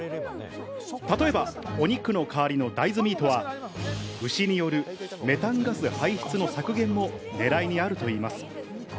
例えばお肉の替わりの大豆ミートは、牛によるメタンガス排出の削減も狙いにあるといいます。